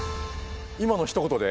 今のひと言で？